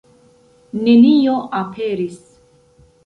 Nenio aperis.